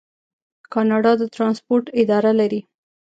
کاناډا د ټرانسپورټ اداره لري.